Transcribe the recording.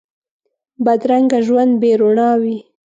بدرنګه ژوند بې روڼا وي